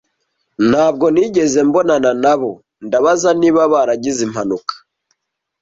ntabwo nigeze mbonana nabo. Ndabaza niba baragize impanuka.